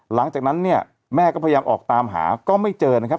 หลังจากนั้นเนี่ยแม่ก็พยายามออกตามหาก็ไม่เจอนะครับ